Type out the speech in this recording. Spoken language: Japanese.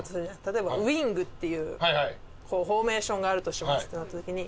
例えば「ウイング」っていうフォーメーションがあるとしますってなった時に。